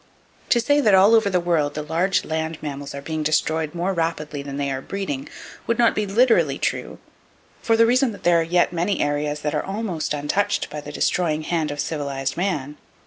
To say that all over the world, the large land mammals are being destroyed more rapidly than they are breeding, would not be literally true, for the reason that there are yet many areas that are almost untouched by the destroying hand of civilized man.